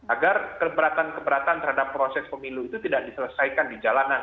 agar keberatan keberatan terhadap proses pemilu itu tidak diselesaikan di jalanan